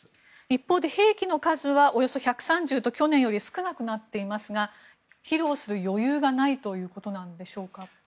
一方で兵器の数はおよそ１３０と去年より少なくなっていますが披露する余裕がないということでしょうか？